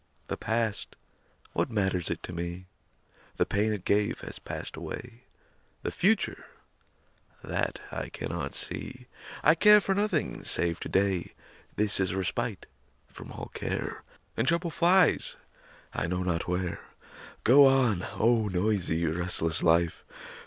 The past what matters it to me? The pain it gave has passed away. The future that I cannot see! I care for nothing save to day This is a respite from all care, And trouble flies I know not where. Go on, oh, noisy, restless life!